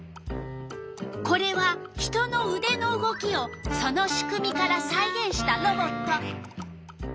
これは人のうでの動きをその仕組みからさいげんしたロボット。